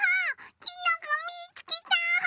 きのこみつけた！